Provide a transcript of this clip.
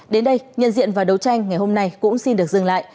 đến đây nhân diện và đấu tranh ngày hôm nay cũng xin được dừng lại